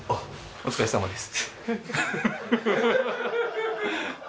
お疲れさまです。